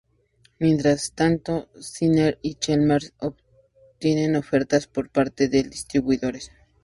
Mientras tanto, Skinner y Chalmers obtienen ofertas por parte de distribuidores.